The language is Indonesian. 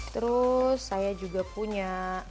terus saya juga punya